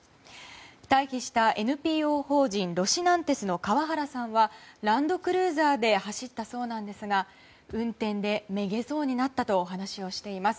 退避したＮＰＯ法人ロシナンテスの川原さんはランドクルーザーで走ったそうなんですが運転でめげそうになったと話をしています。